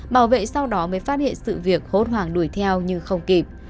bảo vệ sau đó mới phát hiện sự việc hốt hoảng đuổi theo nhưng không kịp